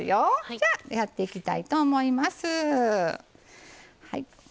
じゃあ、やっていきたいと思います。